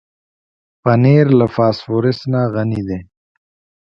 پنېر له فاسفورس نه غني دی.